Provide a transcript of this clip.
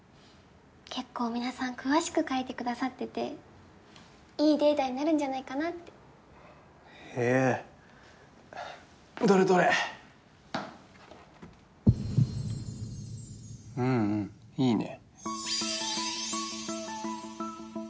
結構皆さん詳しく書いてくださってていいデータになるんじゃないかなってへえどれどれうんいいね